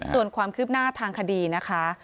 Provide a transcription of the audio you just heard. ส่วนความคืบหน้าทางคดีนะคะ